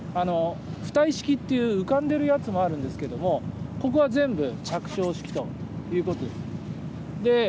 浮体式っていう浮かんでいるやつもあるんですがここは全部、着床式ということです。